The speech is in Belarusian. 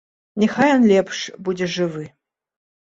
Няхай ён лепш будзе жывы.